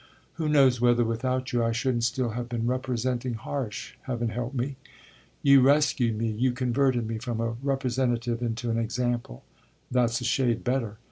Who knows whether without you I shouldn't still have been 'representing' Harsh, heaven help me? You rescued me; you converted me from a representative into an example that's a shade better.